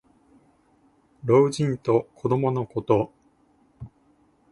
老人と子どものこと。